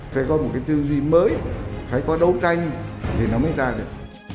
phải có một cái tư duy mới phải có đấu tranh thì nó mới ra được